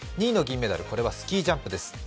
２位の銀メダル、これはスキージャンプです。